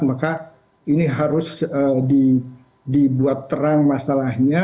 maka ini harus dibuat terang masalahnya